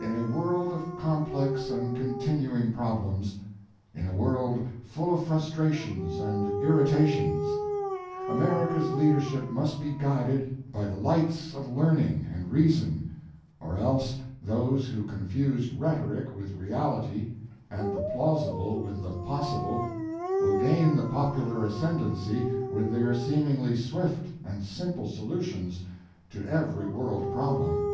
In a world of complex and continuing problems, in a world full of frustrations and irritations, America's leadership must be guided by the lights of learning and reason or else those who confuse rhetoric with reality and the plausible with the possible will gain the popular ascendancy with their seemingly swift and simple solutions to every world problem.